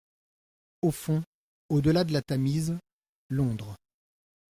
Au fond, au-delà de la Tamise, Londres.